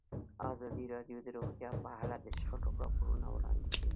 ازادي راډیو د روغتیا په اړه د شخړو راپورونه وړاندې کړي.